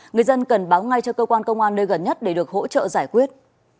người dân cần báo ngay cho cơ quan công an nơi gần nhất để được hỗ trợ giải quyết